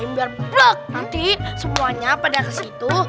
biar blek nanti semuanya pada kesitu